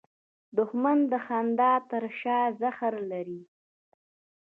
دښمن د خندا تر شا زهر لري